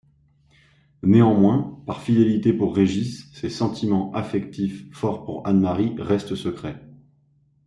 Néanmoins, par fidélité pour Régis, ses sentiments affectifs forts pour Anne-Marie restent secrets.